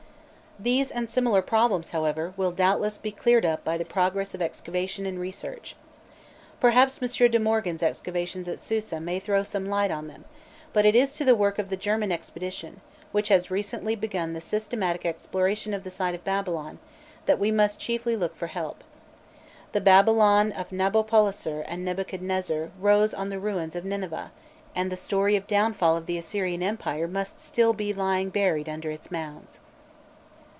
These and similar problems, however, will doubtless be cleared up by the progress of excavation and research. Perhaps M. de Morgan's excavations at Susa may throw some light on them, but it is to the work of the German expedition, which has recently begun the systematic exploration of the site of Babylon, that we must chiefly look for help. The Babylon of Nabopolassar and Nebuchadrezzar rose on the ruins of Nineveh, and the story of downfall of the Assyrian empire must still be lying buried under its mounds.